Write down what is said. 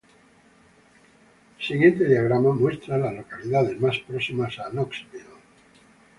El siguiente diagrama muestra a las localidades más próximas a Knoxville.